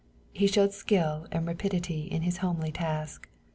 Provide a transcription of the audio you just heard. He showed skill and rapidity in his homely task.